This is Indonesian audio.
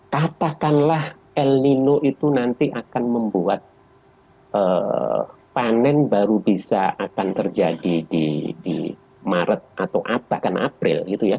katakanlah el nino itu nanti akan membuat panen baru bisa akan terjadi di maret atau bahkan april